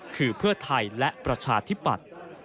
คือเพื่อไทยและประชาธิปัตย์